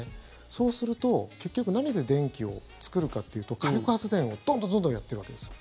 そうすると、結局何で電気を作るかっていうと火力発電をどんどんどんどんやってるわけですよ。